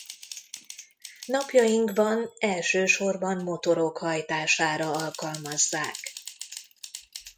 Napjainkban elsősorban motorok hajtására alkalmazzák.